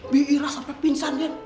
biira sampai pinsan den